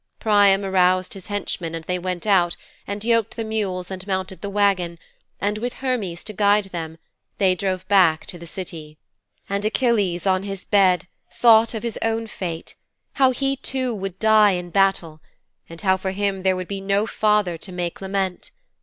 Priam aroused his henchman and they went out and yoked the mules and mounted the wagon, and with Hermes to guide them they drove back to the City.' 'And Achilles on his bed thought of his own fate how he too would die in battle, and how for him there would be no father to make lament.